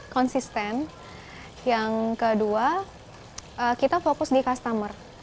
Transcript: konsisten yang kedua kita fokus di customer